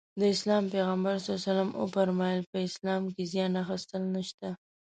د اسلام پيغمبر ص وفرمايل په اسلام کې زيان اخيستل نشته.